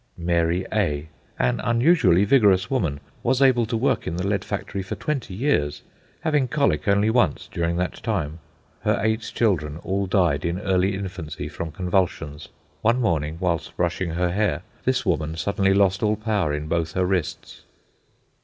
Mary A., an unusually vigorous woman, was able to work in the lead factory for twenty years, having colic once only during that time. Her eight children all died in early infancy from convulsions. One morning, whilst brushing her hair, this woman suddenly lost all power in both her wrists.